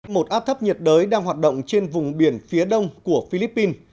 một áp thấp nhiệt đới đang hoạt động trên vùng biển phía đông của philippines